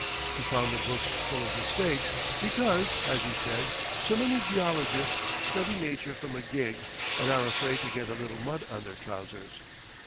He found the books full of mistakes, because, as he said, so many geologists study nature from a gig and are afraid to get a little mud on their trousers.